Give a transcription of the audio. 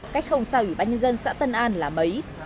cách không xa ủy ban nhân dân xã tân an là mấy